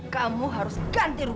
kamu harus ganti rugi